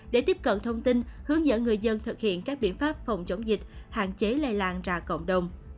để tiếp cận thông tin hướng dẫn người dân thực hiện các biện pháp phòng chống dịch hạn chế lây lan ra cộng đồng